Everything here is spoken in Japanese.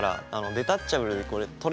デタッチャブルでへえ。